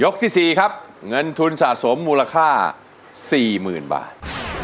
ที่๔ครับเงินทุนสะสมมูลค่า๔๐๐๐บาท